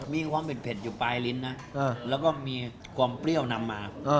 มีความเผ็ดอยู่ปลายลิ้นนะแล้วก็มีความเปรี้ยวนำมา